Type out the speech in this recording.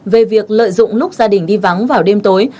về việc lợi dụng lúc gia đình đi vắng vào đêm tối